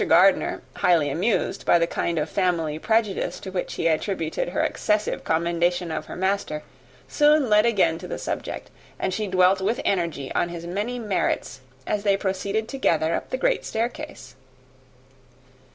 Gardiner, highly amused by the kind of family prejudice, to which he attributed her excessive commendation of her master, soon led again to the subject; and she dwelt with energy on his many merits, as they proceeded together up the great staircase.